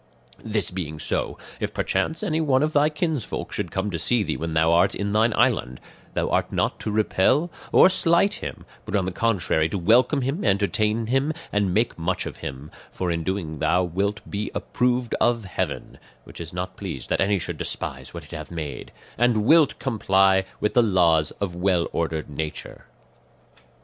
"This being so, if perchance anyone of thy kinsfolk should come to see thee when thou art in thine island, thou art not to repel or slight him, but on the contrary to welcome him, entertain him, and make much of him; for in so doing thou wilt be approved of heaven (which is not pleased that any should despise what it hath made), and wilt comply with the laws of well ordered nature.